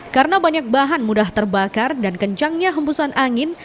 karena banyak bahan mudah terbakar dan kencangnya hembusan angin